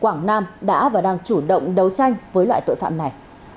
quảng nam đã và đang chủ động đấu tranh với loại tội phạm này